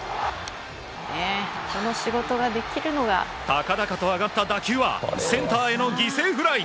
高々と上がった打球はセンターへの犠牲フライ。